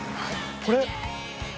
これ。